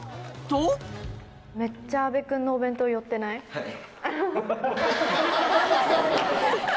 はい。